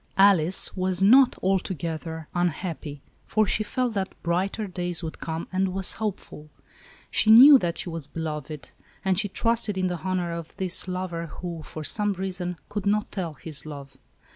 Alice was not altogether un IS ALICE ; OR, THE WAGES OF SIN. happy, for she felt that brighter days would come, and was hopeful. She knew that she was beloved, and she trusted in the honor of this lover who, for some reason, could not tell his love.